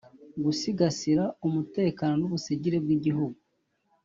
gusigasira umutekano n’ubusugire bw’igihugu